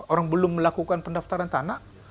orang belum melakukan pendaftaran tanah